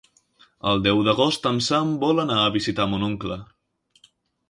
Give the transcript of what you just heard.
El deu d'agost en Sam vol anar a visitar mon oncle.